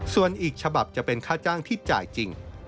ส่วนอีกฉบับจะเป็นค่าจ้างที่จ่ายจริง